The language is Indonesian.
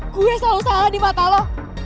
gue selalu salah di mata lo